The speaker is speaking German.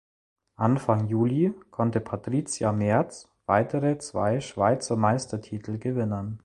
Anfang Juli konnte Patricia Merz weitere zwei Schweizer Meistertitel gewinnen.